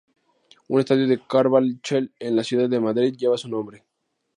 Un estadio de Carabanchel, en la ciudad de Madrid, lleva su nombre.